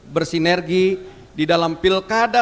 bersinergi di dalam pilkada